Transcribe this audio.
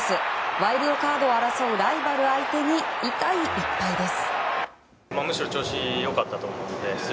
ワイルドカードを争うライバル相手に痛い１敗です。